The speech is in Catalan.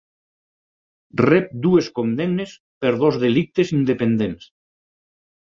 Rep dues condemnes per dos delictes independents.